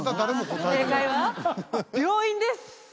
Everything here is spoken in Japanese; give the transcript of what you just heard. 正解は病院です！